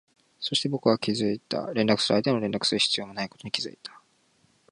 そして、僕は気づいた、連絡する相手も連絡する必要もないことに気づいた